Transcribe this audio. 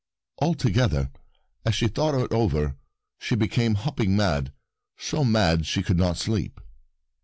Altogether, as she thought it over she became hopping mad, so mad she could not sleep.